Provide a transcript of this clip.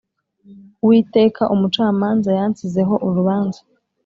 Uwiteka umucamanza yansizeho urubanza